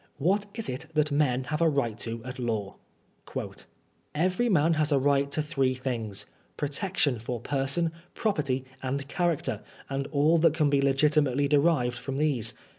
What is it that men have a right to at law ? ''Every man has a right to three things — ^protection for Serson, property and character, and all that can be legitimately erived from these.